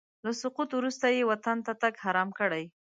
له سقوط وروسته یې وطن ته تګ حرام کړی.